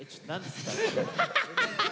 ハハハハハ！